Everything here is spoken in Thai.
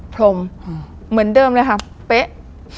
พรมเหมือนเดิมเลยค่ะเป๊ะ